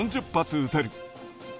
撃てる。